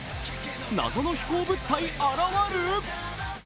謎の飛行物体現る。